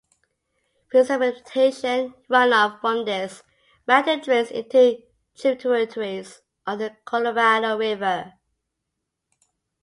Precipitation runoff from this mountain drains into tributaries of the Colorado River.